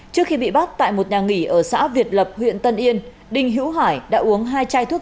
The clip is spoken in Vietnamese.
trước khi bị bắt tại một nhà nghỉ ở xã việt lập huyện tân yên đinh hữu hải đã uống hai chai thuốc